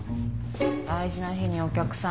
大事な日にお客さんの予定